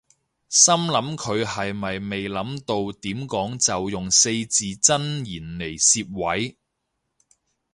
心諗佢係咪未諗到點講就用四字真言嚟攝位